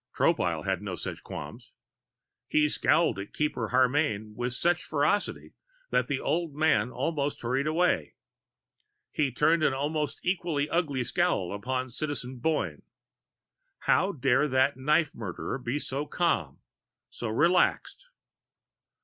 Tropile had no such qualms. He scowled at Keeper Harmane with such ferocity that the old man almost hurried away. He turned an almost equally ugly scowl upon Citizen Boyne. How dared that knife murderer be so calm, so relaxed!